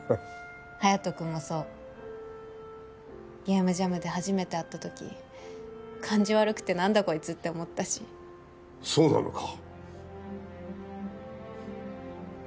隼人くんもそうゲームジャムで初めて会った時感じ悪くて何だこいつって思ったしそうなのか？